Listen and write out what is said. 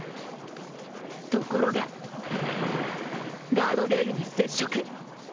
ところがガードレールに接触。